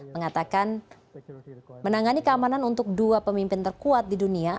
mengatakan menangani keamanan untuk dua pemimpin terkuat di dunia